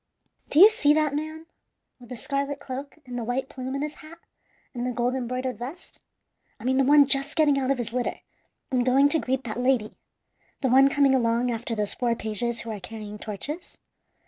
"Do you see that man with the scarlet cloak, and the white plume in his hat, and the gold embroidered vest? I mean the one just getting out of his litter and going to greet that lady the one coming along after those four pages who are carrying torches?